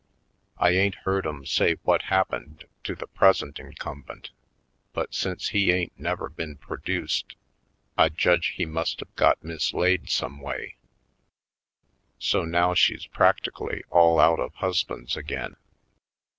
I ain't heard 'em say what happened to the present incumbent but since he ain't never been produced, I judge he must've got mislaid someway, so now she's practi cally all out of husbands again.